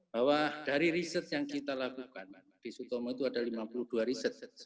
bahwa dari riset yang kita lakukan di sutomo itu ada lima puluh dua riset